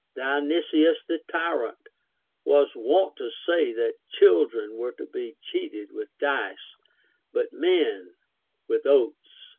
Dionysius the Tyrant was wont to say that children were to be cheated with dice, but men with oaths.